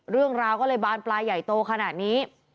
เรื่องราวก็เลยบานปลายใหญ่โตขนาดนี้